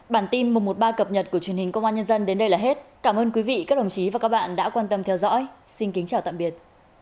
bản tin một trăm một mươi ba cập nhật của truyền hình công an nhân dân đến đây là hết cảm ơn quý vị các đồng chí và các bạn đã quan tâm theo dõi xin kính chào tạm biệt